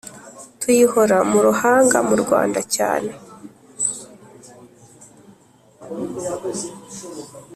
tuyihora mu ruhanga murwanda cyane